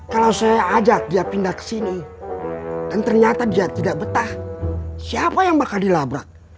kalau saya ajak dia pindah ke sini dan ternyata dia tidak betah siapa yang bakal dilabrak